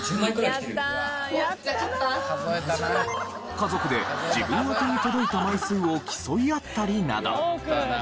家族で自分宛てに届いた枚数を競い合ったりなど。